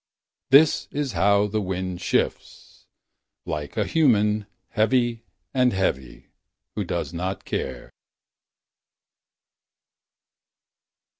This is how the wind shifts: Like a human, heavy and heavy. Who does not care.